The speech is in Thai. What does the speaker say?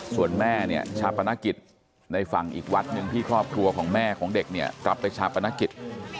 ส่วนแม่เนี่ยชาปนกิจในฝั่งอีกวัดหนึ่งที่ครอบครัวของแม่ของเด็กเนี่ยรับไปชาปนกิจ